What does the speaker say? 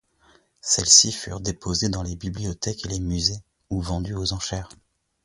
Celles-ci furent déposées dans les bibliothèques et les musées, ou vendues aux enchères.